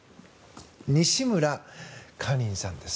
西村カリンさんです。